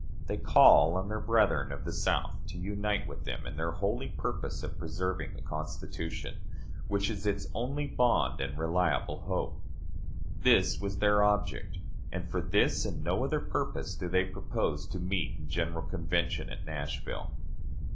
They call on their brethren of the South to unite with them in their holy purpose of preserving the Constitution, which is its only bond and reliable hope. This was their object; and for this and for no other purpose do they propose to meet in general convention at Nashville.